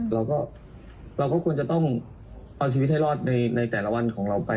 เราก็เราก็ควรจะต้องเอาชีวิตให้รอดในแต่ละวันของเราไป